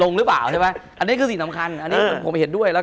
คุณผู้ชมบางท่าอาจจะไม่เข้าใจที่พิเตียร์สาร